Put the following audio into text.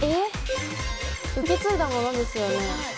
受け継いだものですよね。